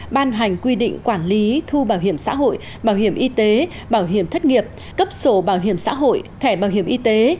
ban hành quy định quản lý thu bảo hiểm xã hội bảo hiểm y tế bảo hiểm thất nghiệp cấp sổ bảo hiểm xã hội thẻ bảo hiểm y tế